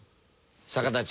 逆立ち。